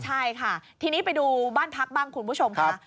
ใช่ค่ะทีนี้ไปดูบ้านพักบ้างคุณผู้ชมค่ะ